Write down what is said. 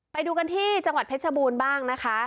ไปดูกันที่จังหวัดเพชรบูรณ์บ้างนะคะ